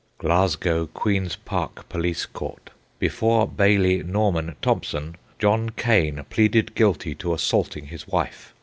Glasgow Queen's Park Police Court. Before Baillie Norman Thompson. John Kane pleaded guilty to assaulting his wife.